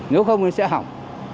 nếu không thì sẽ hỏng